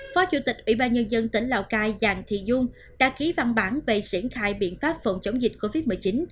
phó chủ tịch ủy ban nhân dân tỉnh lào cai giàng thị dung đã ký văn bản về triển khai biện pháp phòng chống dịch covid một mươi chín